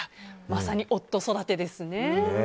まさに夫育てですね。